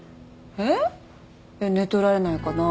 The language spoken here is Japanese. えっ？寝取られないかなとか。